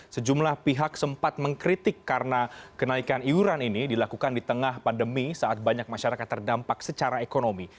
sejumlah pihak sempat mengkritik karena kenaikan iuran ini dilakukan di tengah pandemi saat banyak masyarakat terdampak secara ekonomi